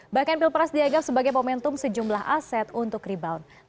bahkan pilpres dianggap sebagai momentum sejumlah aset untuk rebound